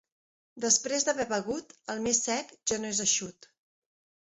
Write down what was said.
Després d'haver begut, el més sec ja no és eixut.